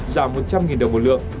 giảm một trăm linh đồng một lượng